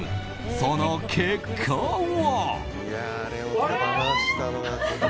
その結果は。